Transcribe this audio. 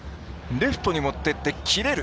レフトに持っていって切れる。